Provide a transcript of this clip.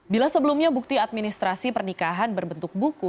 bila sebelumnya bukti administrasi pernikahan berbentuk buku